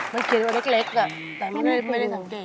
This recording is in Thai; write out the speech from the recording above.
มันเกลียดว่าเล็กอะแต่มันไม่ได้นำเด็ก